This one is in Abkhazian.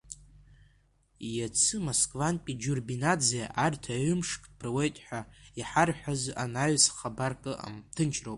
Иацы Москвантәи Џьурбинаӡе арҭ аҩымшк дԥыруеит ҳәа иҳарҳәаз анаҩс хабарк ыҟам, ҭынчроуп…